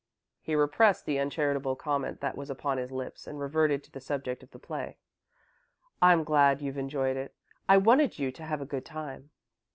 He repressed the uncharitable comment that was upon his lips and reverted to the subject of the play. "I'm glad you've enjoyed it. I wanted you to have a good time."